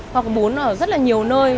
hoặc bún ở rất là nhiều nơi